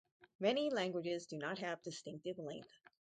Many languages do not have distinctive length.